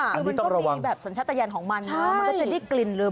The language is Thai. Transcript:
คือมันก็มีแบบสัญชาติยานของมันมันก็จะได้กลิ่นเลย